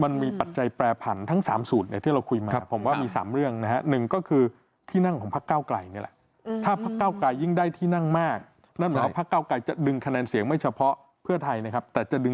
เราก็ต้องนะครับ